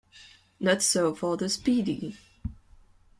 Not so for the "Speedy".